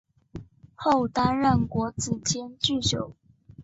后担任国子监祭酒。